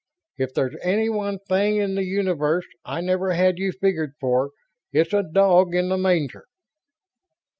"If there's any one thing in the universe I never had you figured for, it's a dog in the manger."